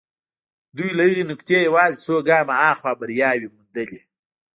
دوی له هغې نقطې يوازې څو ګامه هاخوا برياوې موندلې.